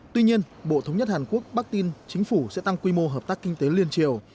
tuy nhiên bộ thống nhất hàn quốc bắc tin chính phủ sẽ tăng quy mô hợp tác kinh tế liên triều